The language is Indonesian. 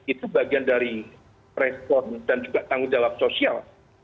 itu bagian dari respon dan juga tanggung jawab sosial